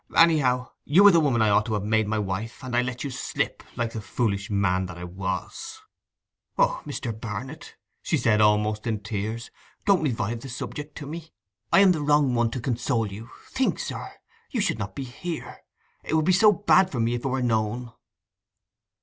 Anyhow you were the woman I ought to have made my wife—and I let you slip, like the foolish man that I was!' 'O, Mr. Barnet,' she said, almost in tears, 'don't revive the subject to me; I am the wrong one to console you—think, sir,—you should not be here—it would be so bad for me if it were known!